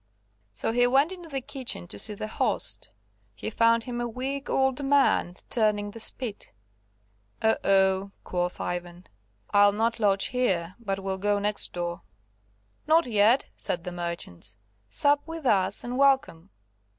So he went into the kitchen to see the host; he found him a weak old man turning the spit. "Oh! oh!" quoth Ivan, "I'll not lodge here, but will go next door." "Not yet," said the merchants, "sup with us, and welcome."